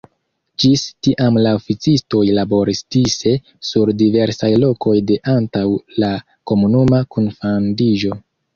Ĝis tiam la oficistoj laboris dise sur diversaj lokoj de antaŭ la komunuma kunfandiĝo.